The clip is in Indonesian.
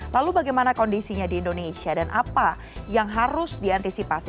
lalu bagaimana kondisinya di indonesia dan apa yang harus diantisipasi